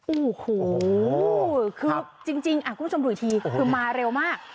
โอ้โหครับจริงจริงอ่ะคุณผู้ชมหลุยทีคือมาเร็วมาก